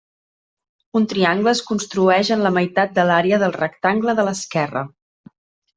Un triangle es construeix en la meitat de l'àrea del rectangle de l'esquerra.